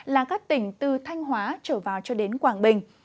là các tỉnh từ thanh hóa trở vào cho đến quảng bình